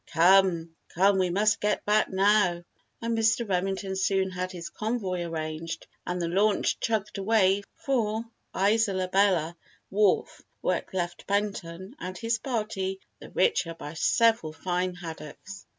"Come, come we must get back now!" And Mr. Remington soon had his convoy arranged and the launch chugged away for Isola Bella wharf where it left Benton and his party the richer by several fine haddocks.